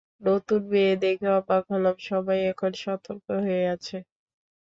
নতুন মেয়ে দেখে অবাক হলাম, সবাই এখন সতর্ক হয়ে আছে।